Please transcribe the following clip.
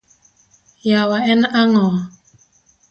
Yawa en ang’o?